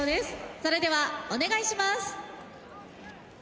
それではお願いします。